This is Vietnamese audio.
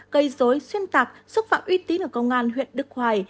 gây dối xuyên tạc xúc phạm uy tín ở công an huyện đức hoài